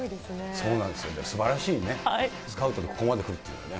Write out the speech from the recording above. そうなんですよ、すばらしいね、スカウトで、ここまでくるっていうね。